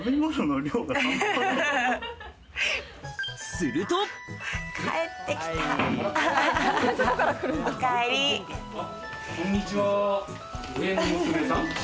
するとこんにちは。